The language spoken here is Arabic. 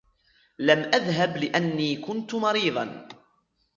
لم أذهب لأني كنت مريضا.